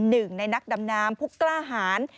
หนึ่งในนักดำน้ำผู้กล้าหาร